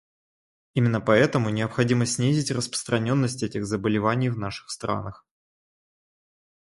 Именно поэтому необходимо снизить распространенность этих заболеваний в наших странах.